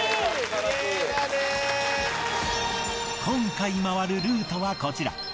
今回まわるルートはこちら。